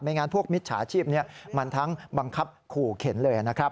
งั้นพวกมิจฉาชีพนี้มันทั้งบังคับขู่เข็นเลยนะครับ